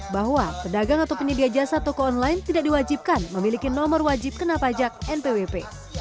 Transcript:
bahwa pedagang atau penyedia jasa toko online tidak diwajibkan memiliki nomor wajib kena pajak npwp